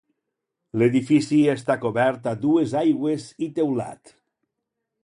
L'edifici està cobert a dues aigües i teulat.